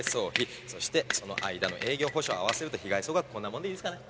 そしてその間の営業補償を合わせると被害総額こんなもんでいいですかね？